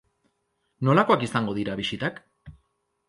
Nolakoak izango dira bisitak?